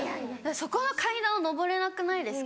そこの階段を上れなくないですか？